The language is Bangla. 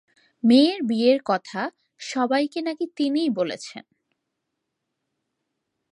মেয়ের বিয়ের কথা সবাইকে নাকি তিনিই বলেছেন।